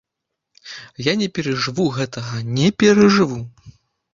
Я не перажыву гэтага, не перажыву.